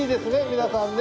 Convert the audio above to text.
皆さんね。